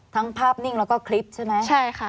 ภาพนิ่งแล้วก็คลิปใช่ไหมใช่ค่ะ